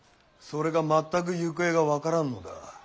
それが全く行方が分からんのだ。